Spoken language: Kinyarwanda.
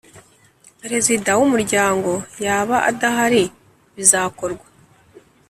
Perezida wumuryango yaba adahari bizakorwa